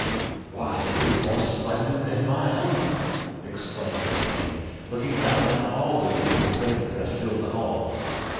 "Why it is more splendid than my own!" exclaimed the king, looking round on all the beautiful things that filled the hall.